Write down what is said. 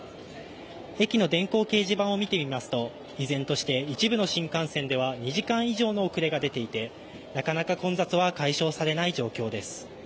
駅の電光掲示板を見てみますと、依然として一部の新幹線では２時間以上の遅れが出ていて、なかなか混雑は解消されない状況です。